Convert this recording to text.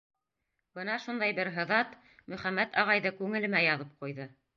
Бына шундай бер һыҙат Мөхәммәт ағайҙы күңелемә яҙып ҡуйҙы.